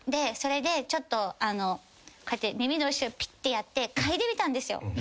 それでちょっとこうやって耳の後ろピッてやって嗅いでみたんですよ。